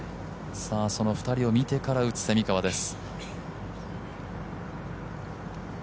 その２人を見てから打つ、蝉川です。